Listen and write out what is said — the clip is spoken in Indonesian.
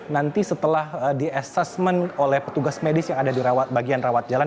nanti setelah di assessment oleh petugas medis yang ada di bagian rawat jalan